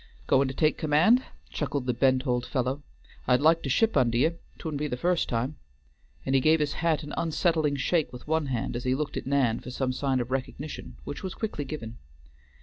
"Goin' to take command?" chuckled the bent old fellow. "I'd like to ship under ye; 'twouldn't be the first time," and he gave his hat an unsettling shake with one hand as he looked at Nan for some sign of recognition, which was quickly given.